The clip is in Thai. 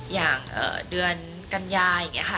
อย่างเดือนกัญญาอย่างนี้ค่ะ